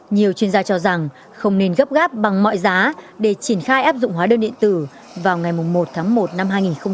nhiều chuyên gia cho rằng không nên gấp gáp bằng mọi giá để triển khai áp dụng hóa đơn điện tử vào ngày một tháng một năm hai nghìn hai mươi